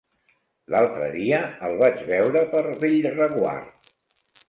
L'altre dia el vaig veure per Bellreguard.